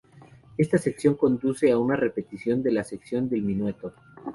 Esta sección conduce a una repetición de la sección del minueto.